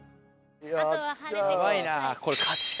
やばいな。